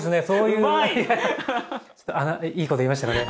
うまい！いいこと言えましたかね？